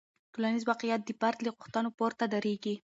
ټولنیز واقیعت د فرد له غوښتنو پورته دریږي.